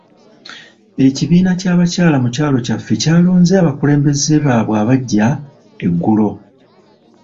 Ekibiina ky'abakyala mu kyalo kyaffe kyalonze abakulembeze baabwe abaggya eggulo.